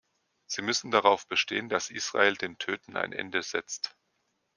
Sie müssen darauf bestehen, dass Israel dem Töten ein Ende setzt.